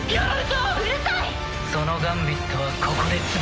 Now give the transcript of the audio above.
そのガンビットはここで潰す。